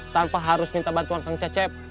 tanpa harus minta bantuan tentang cecep